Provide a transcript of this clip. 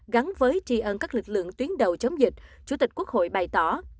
gắn với tri ân các lực lượng tuyến đầu chống dịch chủ tịch quốc hội bày tỏ